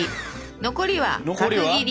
残りは角切り。